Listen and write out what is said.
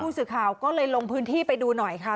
สื่อข่าวก็เลยลงพื้นที่ไปดูหน่อยค่ะ